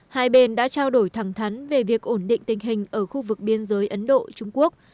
hai bên đã trao đổi thẳng thắn về việc ổn định tình hình ở khu vực biên giới ấn độ trung quốc